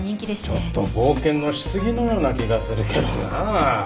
ちょっと冒険のし過ぎのような気がするけどな。